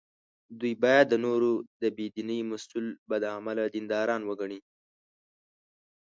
دوی باید د نورو د بې دینۍ مسوول بد عمله دینداران وګڼي.